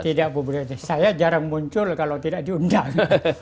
tidak saya jarang muncul kalau tidak diundang